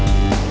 ya itu dia